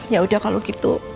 ya udah kalau gitu